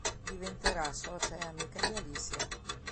Diventerà socia e amica di Alicia.